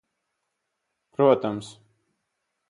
Protams.